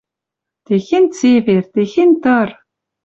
Техень цевер, техень тыр!